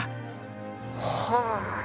はあ！